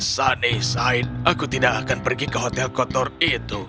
sunnyside aku tidak akan pergi ke hotel kotor itu